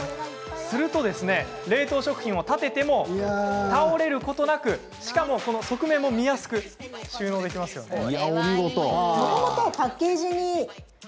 すると、冷凍食品を立てても倒れることなくしかも見やすく収納できますよね。